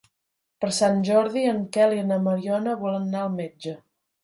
Per Sant Jordi en Quel i na Mariona volen anar al metge.